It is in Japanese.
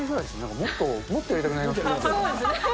もっと、もっとやりたくなりますそうですよね。